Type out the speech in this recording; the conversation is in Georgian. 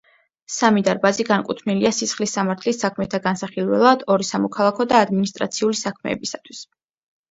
სამი დარბაზი განკუთვნილია სისხლის სამართლის საქმეთა განსახილველად, ორი სამოქალაქო და ადმინისტრაციული საქმეებისათვის.